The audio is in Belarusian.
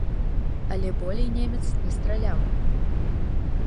Але болей немец не страляў.